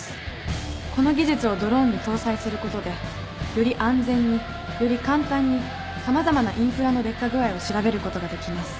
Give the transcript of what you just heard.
この技術をドローンに搭載することでより安全により簡単に様々なインフラの劣化具合を調べることができます。